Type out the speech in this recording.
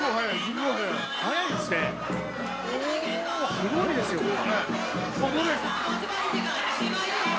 すごいですよこれ。